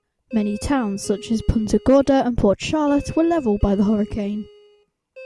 Many towns such as Punta Gorda and Port Charlotte were leveled by the hurricane.